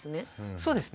そうですね。